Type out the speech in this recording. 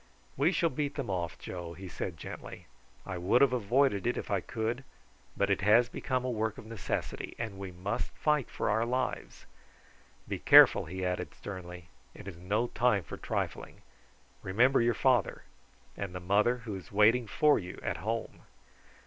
"We shall beat them off, Joe," he said gently. "I would have avoided it if I could, but it has become a work of necessity, and we must fight for our lives. Be careful," he added sternly. "It is no time for trifling. Remember your father, and the mother who is waiting for you at home.